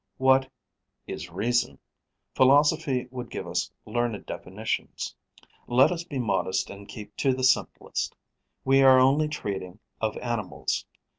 What is reason? Philosophy would give us learned definitions. Let us be modest and keep to the simplest: we are only treating of animals.